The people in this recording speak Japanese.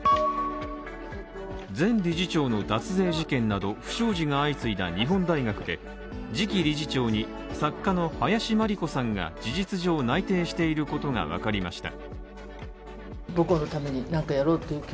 前理事長の脱税事件など不祥事が相次いだ日本大学で次期理事長に、作家の林真理子さんが、事実上内定していることがわかりました。